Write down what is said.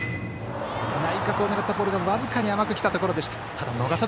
内角を狙ったボールが僅かに甘く来たところ。